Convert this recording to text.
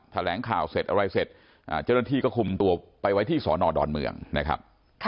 แถลงข่าวเสร็จอะไรเสร็จเจ้าหน้าที่ก็คุมตัวไปไว้ที่สอนอดอนเมืองนะครับ